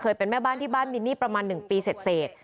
เคยเป็นแม่บ้านที่บ้านมีหนี้ประมาณหนึ่งปีเสร็จ